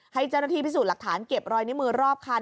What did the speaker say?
ให้เจ้าหน้าที่พิสูจน์หลักฐานเก็บรอยนิ้วมือรอบคัน